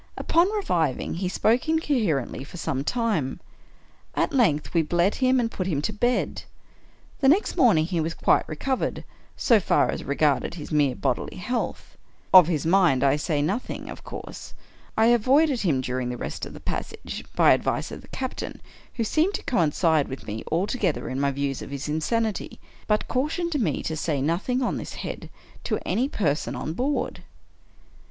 Upon reviving he spoke incoherently for some time. At length we bled him and put him to bed. The next morning he was quite recovered, so far as re garded his mere bodily health. Of his mind I say nothing, of course. I avoided him during the rest of the passage, by advice of the captain, who seemed to coincide with me altogether in my views of his insanity, but cautioned me to say nothing on this head to any person on board.